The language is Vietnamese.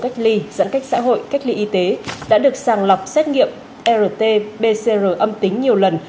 cách ly giãn cách xã hội cách ly y tế đã được sàng lọc xét nghiệm rt pcr âm tính nhiều lần